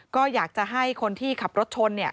ก็อยากจะให้คนที่ขับรถชน